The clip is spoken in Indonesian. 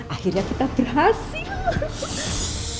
akhirnya kita berhasil